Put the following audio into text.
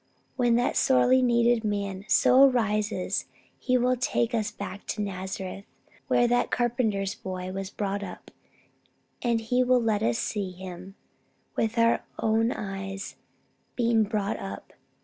When that sorely needed man so arises he will take us back to Nazareth where that carpenter's Boy was brought up, and he will let us see Him with our own eyes being brought up.